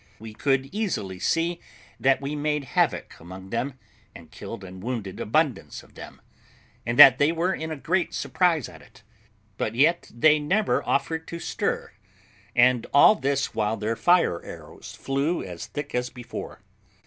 We could easily see that we made havoc among them, and killed and wounded abundance of them, and that they were in a great surprise at it; but yet they never offered to stir, and all this while their fire arrows flew as thick as before.